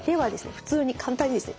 普通に簡単にですね